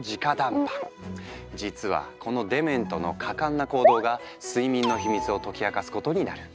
実はこのデメントの果敢な行動が睡眠のヒミツを解き明かすことになる。